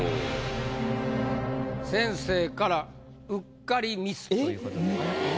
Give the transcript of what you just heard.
先生から「うっかりミス」ということでございます。